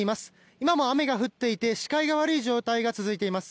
今も雨が降っていて視界が悪い状態が続いています。